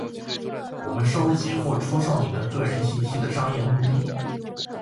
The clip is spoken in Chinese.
我们收集或出售您的个人信息的商业目的；